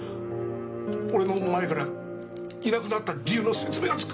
俺の前からいなくなった理由の説明がつく！